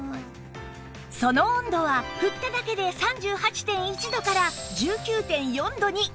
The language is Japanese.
その温度は振っただけで ３８．１ 度から １９．４ 度に２０度近くもダウン！